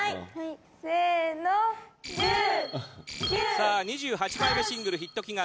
さあ２８枚目シングルヒット祈願